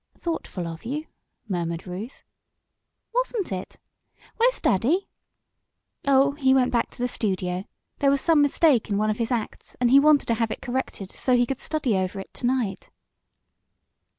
"Thoughtful of you," murmured Ruth. "Wasn't it. Where's daddy?" "Oh, he went back to the studio. There was some mistake in one of his acts and he wanted to have it corrected so he could study over it to night."